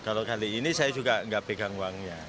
kalau kali ini saya juga nggak pegang uangnya